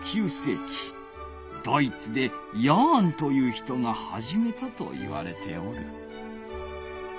ドイツでヤーンという人がはじめたといわれておる。